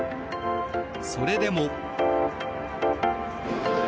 それでも。